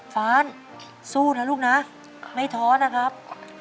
ฟ้านสู้นะลูกนะไม่ท้อนะครับ